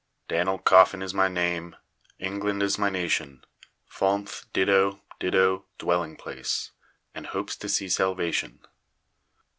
Danl. Coffin is my name England is my nation Falmth ditto ditto dwelling place And hopes to see Salvation.